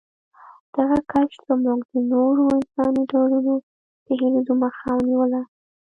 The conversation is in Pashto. دغه کشف زموږ د نورو انساني ډولونو د هېرېدو مخه ونیوله.